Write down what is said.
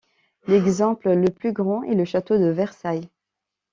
L'exemple le plus grand est le château de Versailles.